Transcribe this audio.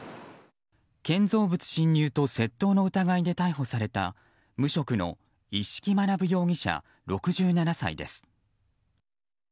建造物侵入と窃盗の疑いで逮捕された無職の一色学容疑者、６７歳です。